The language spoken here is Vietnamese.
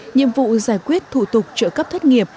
nhiệm vụ giải quyết thủ tục trợ cấp thất nghiệp